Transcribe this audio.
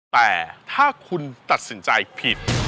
แต่ถ้าคุณตัดสินใจผิด